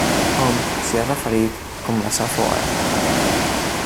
Hom s'hi ha referit com la Safo àrab.